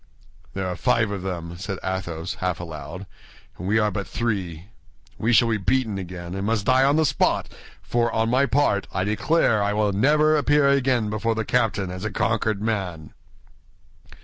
"There are five of them," said Athos, half aloud, "and we are but three; we shall be beaten again, and must die on the spot, for, on my part, I declare I will never appear again before the captain as a conquered man."